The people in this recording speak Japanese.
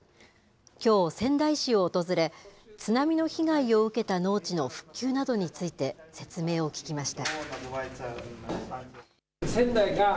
きょう、仙台市を訪れ、津波の被害を受けた農地の復旧などについて説明を聞きました。